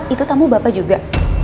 itu tamu bapak juga